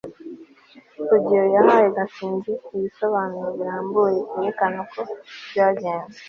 rugeyo yahaye gashinzi ibisobanuro birambuye byerekana uko byagenze